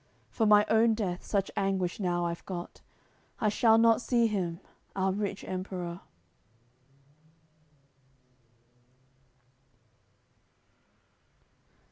For my own death such anguish now I've got; I shall not see him, our rich Emperor."